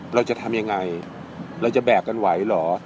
เราจะทำยังไงเราจะแบกกันไหวเหรอ